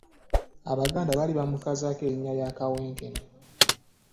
Abaganda baalli baamukazaako erinnya erya "Kawenkene".